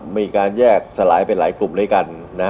มีการแยกสลายไปหลายกลุ่มด้วยกัน